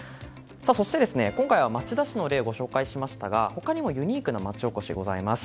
そして、今回は町田市の例をご紹介しましたが他にもユニークな町おこしがございます。